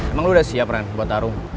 emang lo udah siap ran buat taruh